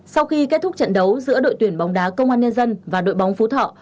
sau khi kết thúc trận đấu giữa đội tuyển bóng đá công an nhân dân và đội bóng phú thọ